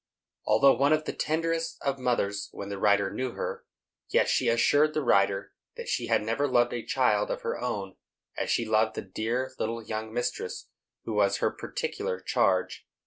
Although one of the tenderest of mothers when the writer knew her, yet she assured the writer that she had never loved a child of her own as she loved the dear little young mistress who was her particular charge.